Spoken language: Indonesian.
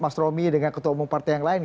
mas romy dengan ketua umum partai yang lain